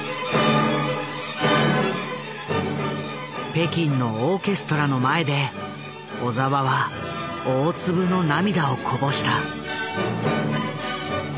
北京のオーケストラの前で小澤は大粒の涙をこぼした。